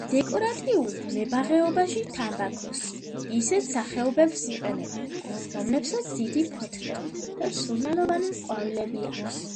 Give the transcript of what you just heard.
დეკორატიულ მებაღეობაში თამბაქოს ისეთ სახეობებს იყენებენ, რომლებსაც დიდი ფოთლები და სურნელოვანი ყვავილები აქვს.